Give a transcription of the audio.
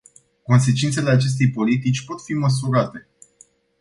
Consecințele acestei politici pot fi măsurate.